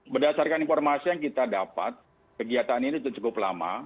berdasarkan informasi yang kita dapat kegiatan ini cukup lama